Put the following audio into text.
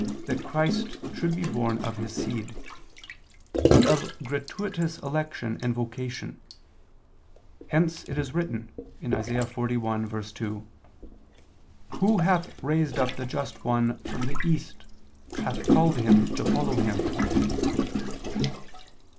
that Christ should be born of his seed: but of gratuitous election and vocation. Hence it is written (Isa. 41:2): "Who hath raised up the just one form the east, hath called him to follow him?"